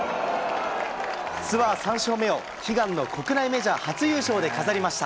ツアー３勝目を悲願の国内メジャー初優勝で飾りました。